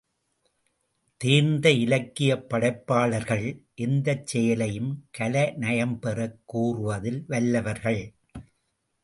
தேர்ந்த இலக்கியப் படைப்பாளர்கள், எந்தச் செயலையும் கலை நயம்பெறக் கூறுவதில் வல்லவர்கள்.